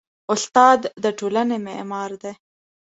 استاد د ټولنې معمار دی.